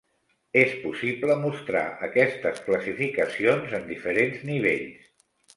És possible mostrar aquestes classificacions en diferents nivells.